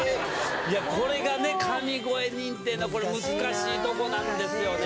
これが神声認定の難しいとこなんですよね。